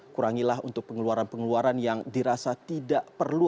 kurangilah untuk pengeluaran pengeluaran yang dirasa tidak perlu